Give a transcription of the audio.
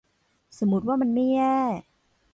สมมติว่ามันไม่แย่